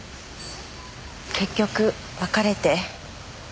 結局別れて。